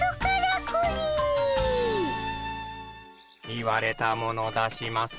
言われたもの出します。